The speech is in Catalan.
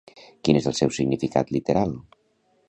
Quin és el seu significat literal?